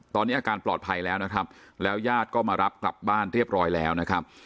ตอนนี้อาการปลอดภัยแล้วนะครับแล้วญาติก็มารับกลับบ้านเรียบร้อยแล้วนะครับ